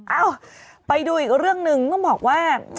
เอ้าไปดูอีกเรื่องหนึ่งต้องบอกว่า